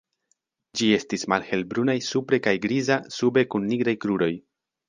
Ĝi estis malhelbrunaj supre kaj griza sube kun nigraj kruroj.